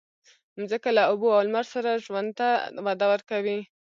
مځکه له اوبو او لمر سره ژوند ته وده ورکوي.